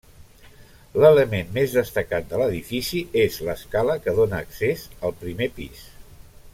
L'element més destacat de l'edifici és l'escala que dóna accés al primer pis.